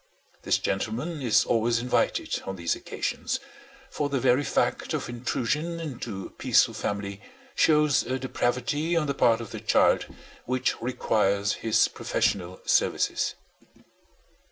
This gentleman is always invited on these occasions, for the very fact of intrusion into a peaceful family shows a depravity on the part of the child which requires his professional services.